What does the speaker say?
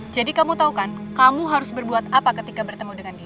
jadi kamu tau kan kamu harus berbuat apa ketika bertemu dengan dia